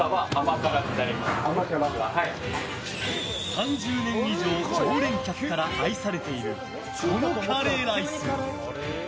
３０年以上常連客から愛されているこのカレーライス。